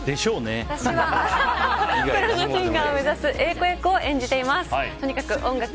私はプロのシンガーを目指す英子役を演じています。